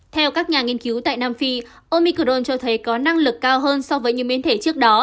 theo các nhà nghiên cứu tại nam phi omicron cho thấy có năng lực cao hơn so với những biến thể trước đó